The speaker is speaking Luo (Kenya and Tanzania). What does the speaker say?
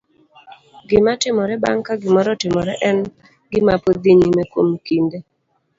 Gima timore bang' ka gimoro otimore, en gima pod dhi nyime kuom kinde.